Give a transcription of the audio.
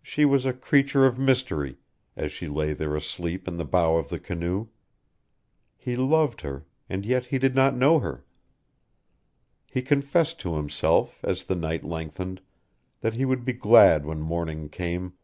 She was a creature of mystery, as she lay there asleep in the bow of the canoe; he loved her, and yet he did not know her. He confessed to himself, as the night lengthened, that he would be glad when morning came.